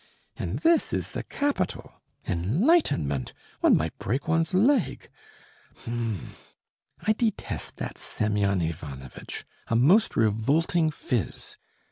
"And this is the capital. Enlightenment! One might break one's leg. H'm! I detest that Semyon Ivanovitch; a most revolting phiz.